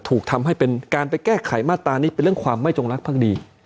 ถูกทำให้เป็นการไปแก้ไขมาตรานี้เป็นเรื่องความไม่จงรักภักดี